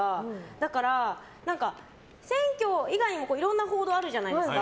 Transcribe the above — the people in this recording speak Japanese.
だから選挙以外のいろんな報道あるじゃないですか。